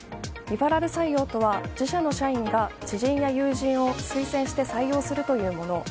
リファラル採用とは自社の社員が知人や友人を推薦して採用するというもの。